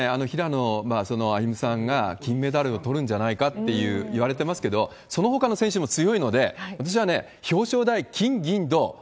平野歩夢さんが金メダルをとるんじゃないかっていわれてますけど、そのほかの選手も強いので、私はね、表彰台、金、銀、銅。